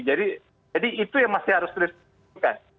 jadi itu yang masih harus disesuaikan